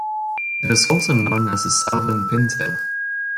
It is also known as the southern pintail.